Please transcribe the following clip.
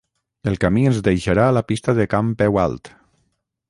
el camí ens deixarà a la pista de can Peu Alt